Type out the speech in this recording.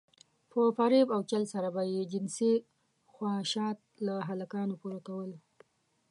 په فريب او چل سره به يې جنسي خواهشات له هلکانو پوره کول.